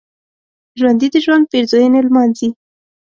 ژوندي د ژوند پېرزوینې لمانځي